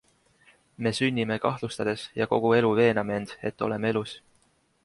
Me sünnime kahtlustades ja kogu elu veename end, et oleme elus.